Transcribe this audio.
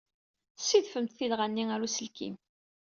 Ssidfemt tilɣa-nni ɣer uselkim.